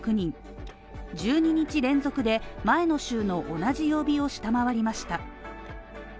１２日連続で前の週の同じ曜日を下回りました。